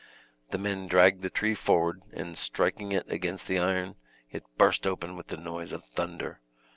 The men dragged the tree forward, and striking it against the iron, it burst open with the noise of thunder.